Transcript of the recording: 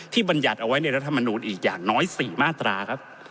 บรรยัติเอาไว้ในรัฐมนูลอีกอย่างน้อย๔มาตราครับ